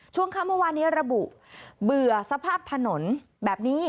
ช่วงค่ำเมื่อวานนี้ระบุเบื่อสภาพถนนแบบนี้